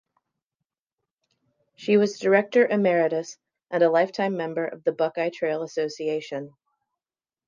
She was Director Emeritus and a lifetime member of the Buckeye Trail Association.